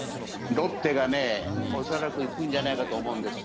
ロッテがね、おそらくいくんじゃないかと思うんですよ。